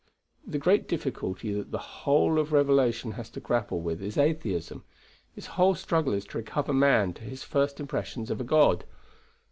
The great difficulty that the whole of revelation has to grapple with is atheism; its whole struggle is to recover man to his first impressions of a God.